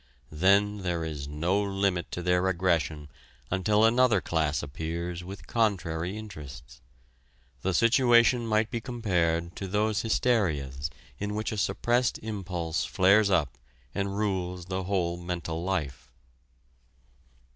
Then there is no limit to their aggression until another class appears with contrary interests. The situation might be compared to those hysterias in which a suppressed impulse flares up and rules the whole mental life.